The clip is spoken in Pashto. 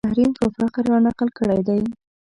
تحریم په فخر رانقل کړی دی